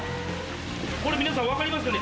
これ皆さん分かりますかね？